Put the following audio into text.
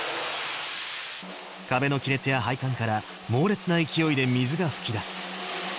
壁の亀裂や配管から、猛烈な勢いで水が噴き出す。